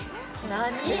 何？